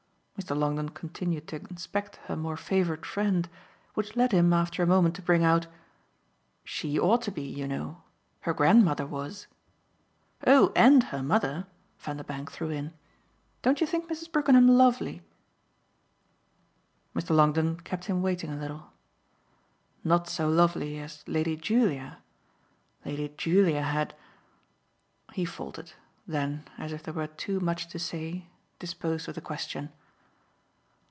Mr. Longdon continued to inspect her more favoured friend; which led him after a moment to bring out: "She ought to be, you know. Her grandmother was." "Oh and her mother," Vanderbank threw in. "Don't you think Mrs. Brookenham lovely?" Mr. Longdon kept him waiting a little. "Not so lovely as Lady Julia. Lady Julia had !" He faltered; then, as if there were too much to say, disposed of the question.